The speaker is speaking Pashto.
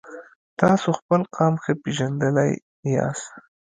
تاسو خپل قام ښه پیژندلی یاست.